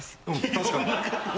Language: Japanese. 確かに。